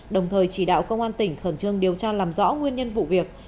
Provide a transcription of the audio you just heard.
đồng thời chỉ đạo công an tỉnh khẩn trương điều tra làm rõ nguyên nhân vụ việc